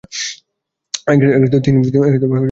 তিনি পরে সিদ্ধ হন।